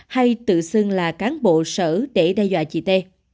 hay tự xưng là cán bộ sở để đe dọa chị t